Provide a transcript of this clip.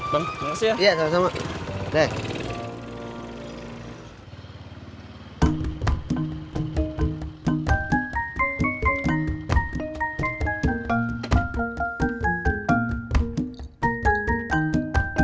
bang weten gimana sih iya sini